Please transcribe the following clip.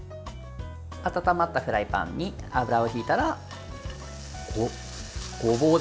温まったフライパンに油をひいたら、ごぼうです。